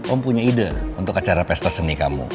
om punya ide untuk acara pesta seni kamu